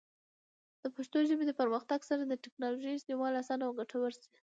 د پښتو ژبې د پرمختګ سره، د ټیکنالوجۍ استعمال اسانه او ګټور شي.